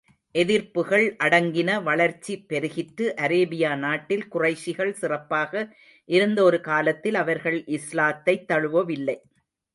எதிர்ப்புகள் அடங்கின வளர்ச்சி பெருகிற்று அரேபியா நாட்டில், குறைஷிகள் சிறப்பாக இருந்த ஒரு காலத்தில், அவர்கள் இஸ்லாத்தைத் தழுவவில்லை.